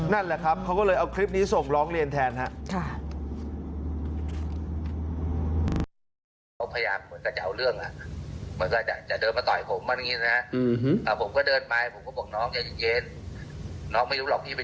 นั่นแหละครับเขาก็เลยเอาคลิปนี้ส่งร้องเรียนแทนครับ